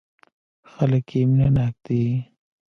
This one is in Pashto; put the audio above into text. خلک يې مينه ناک دي.